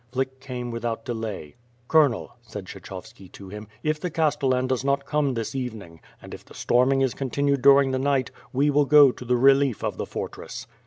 Flick came without delay. "Colonel," said Kshechovski to him, "if the Castellan does not come this evening, and if the storming is continued dur ing the night, we will go to the relief of the fortress."